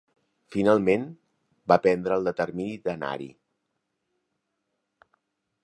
Finalment va prendre el determini d'anar-hi.